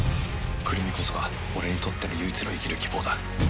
来美こそが俺にとっての唯一の生きる希望だ。